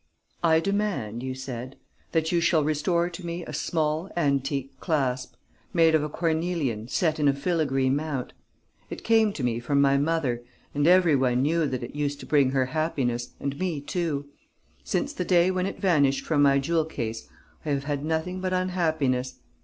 "'I demand,' you said, 'that you shall restore to me a small, antique clasp, made of a cornelian set in a filigree mount. It came to me from my mother; and every one knew that it used to bring her happiness and me too. Since the day when it vanished from my jewel case, I have had nothing but unhappiness.